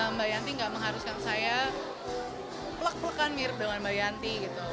mbak yanti enggak mengharuskan saya pelak pelakan mirip dengan mbak yanti